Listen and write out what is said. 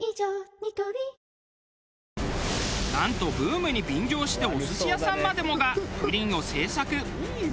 ニトリなんとブームに便乗してお寿司屋さんまでもがプリンを製作。